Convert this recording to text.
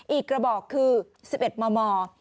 อีกกระบอกคือ๑๑มม